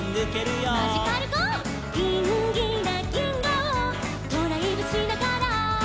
「ギンギラぎんがをドライブしながら」